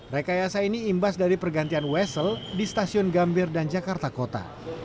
rekayasa ini imbas dari pergantian wesel di stasiun gambir dan jakarta kota